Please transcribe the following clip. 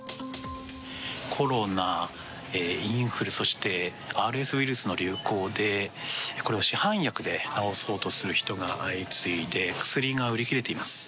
コロナ、インフルそしてＲＳウイルスの流行でこれは市販薬で治そうとする人が相次いで薬が売り切れています。